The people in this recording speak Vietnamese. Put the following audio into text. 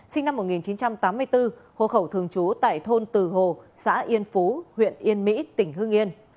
sinh năm một nghìn chín trăm tám mươi bốn hộ khẩu thường trú tại thôn từ hồ xã yên phú huyện yên mỹ tỉnh hương yên